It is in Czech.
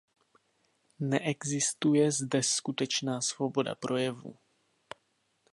Neexistuje zde skutečná svoboda projevu.